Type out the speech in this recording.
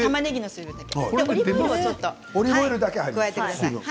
オリーブオイルだけ入れます。